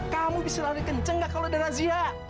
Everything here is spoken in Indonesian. kamu bisa lari kenceng gak kalau ada razia